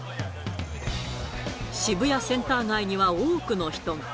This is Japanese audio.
渋谷センター街には多くの人が。